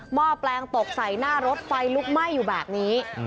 ห้อแปลงตกใส่หน้ารถไฟลุกไหม้อยู่แบบนี้